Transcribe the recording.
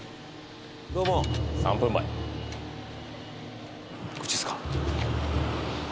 どうも３分前こっちですか？